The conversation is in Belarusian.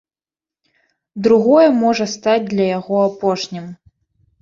Другое можа стаць для яго апошнім.